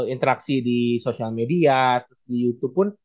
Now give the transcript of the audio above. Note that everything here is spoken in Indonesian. interaksi di sosial media terus di youtube pun